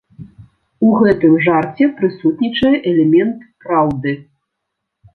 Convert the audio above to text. У гэтым жарце прысутнічае элемент праўды.